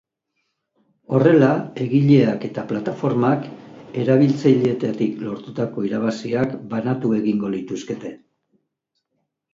Horrela, egileak eta plataformak erabiltzaileetatik lortutako irabaziak banatu egingo lituzkete.